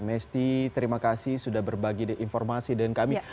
mesty terima kasih sudah berbagi informasi dengan kami